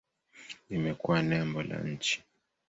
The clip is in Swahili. Imekuwa nembo la nchi.